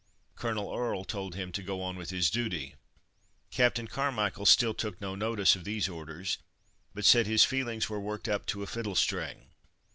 Colonel Earle told him to go on with his duty. Captain Carmichael still took no notice of these orders; but said his feelings were "worked up to a fiddle string."